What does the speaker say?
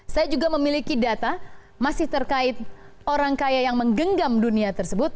saya juga memiliki data masih terkait orang kaya yang menggenggam dunia tersebut